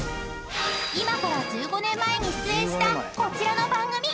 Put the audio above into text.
［今から１５年前に出演したこちらの番組］